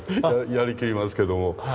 やりきりますけども。